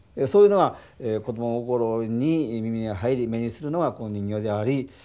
そういうのが子供心に耳に入り目にするのがこの人形であり。